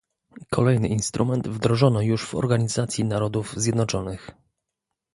Kolejny instrument wdrożono już w Organizacji Narodów Zjednoczonych